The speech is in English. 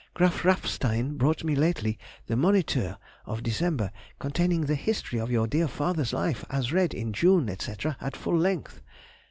Graf Rapfstein brought me lately the Moniteur of December, containing the history of your dear father's life, as read in June, etc., at full length.